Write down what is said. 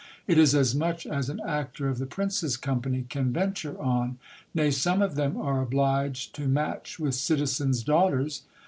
It is as much as an actor of the prince's company can venture on ; nay, some of them are obliged to match with citizens' daughters.